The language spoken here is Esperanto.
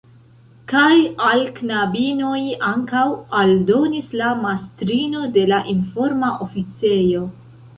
Kaj al knabinoj ankaŭ, aldonis la mastrino de la informa oficejo.